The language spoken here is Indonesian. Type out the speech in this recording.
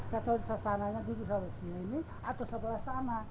katanya sasananya dulu sampai sini atau sebelah sana